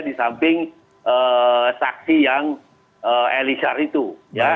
di samping saksi yang elisar itu ya